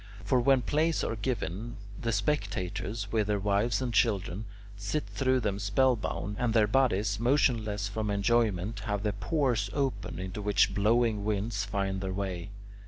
For when plays are given, the spectators, with their wives and children, sit through them spell bound, and their bodies, motionless from enjoyment, have the pores open, into which blowing winds find their way.